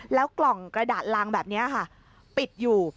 แล้วกล่องกระดาษลางแบบนี้ค่ะปิดอยู่